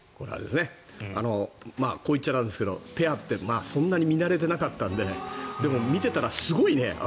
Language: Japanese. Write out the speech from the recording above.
こう言っちゃなんですけどペアってそんなに見慣れていなかったのででも、見てたらすごいね。